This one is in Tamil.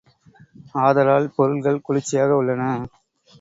ஆதலால் பொருள்கள் குளிர்ச்சியாக உள்ளன.